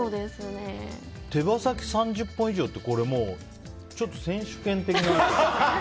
手羽先３０本以上ってこれもう、ちょっと選手権的な。